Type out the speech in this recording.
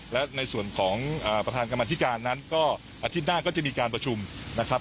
และในส่วนของประธานกรรมธิการนั้นก็อาทิตย์หน้าก็จะมีการประชุมนะครับ